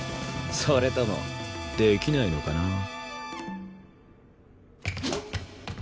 それともできないのかな？